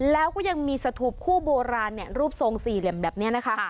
แล้วก็ยังมีสถูปคู่โบราณรูปทรงสี่เหลี่ยมแบบนี้นะคะ